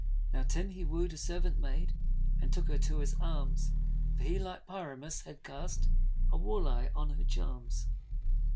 Now Tim he woo'd a servant maid, And took her to his arms; For he, like Pyramus, had cast A wall eye on her charms.